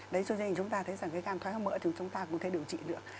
đấy cho nên chúng ta thấy rằng cái gan thoái hóa mỡ thì chúng ta cũng thể điều trị được